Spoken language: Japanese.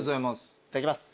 いただきます。